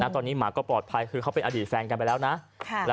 ตอนนี้หมาก็ปลอดภัยคือเขาเป็นอดีตแฟนกันไปแล้วนะ